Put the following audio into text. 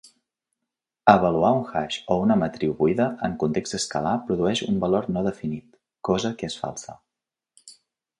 Avaluar un hash o una matriu buida en context escalar produeix un valor no definit, cosa que és falsa.